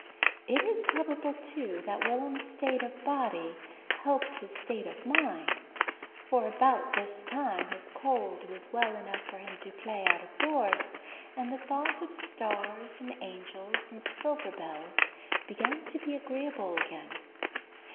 It is probable, too, that Will'm's state of body helped his state of mind, for about this time his cold was well enough for him to play out of doors, and the thought of stars and angels and silver bells began to be agreeable again.